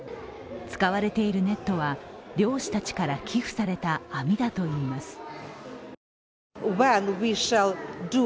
使われているネットは漁師たちから寄付された網だといいます。